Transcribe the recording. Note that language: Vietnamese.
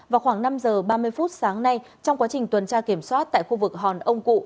vào khoảng năm giờ ba mươi phút sáng nay trong quá trình tuần tra kiểm soát tại khu vực hòn ông cụ